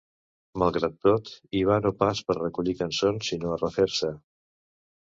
Malgrat tot, hi va no pas per recollir cançons, sinó a refer-se.